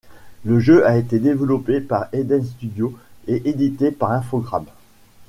Le jeu a été développé par Eden Studios et édité par Infogrames.